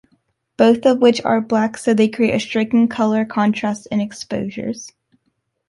Both of which are black so they create a striking colour contrast in exposures.